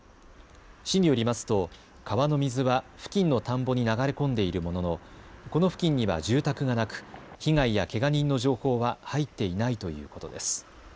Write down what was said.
市によりますと川の水は付近の田んぼに流れ込んでいるものの、この付近には住宅がなく被害やけが人の情報は入っていないということです。